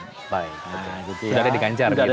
sudah ada diganjar gitu ya